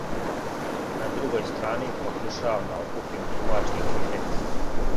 На другој страни, покушавам да окупим дувачки квинтет.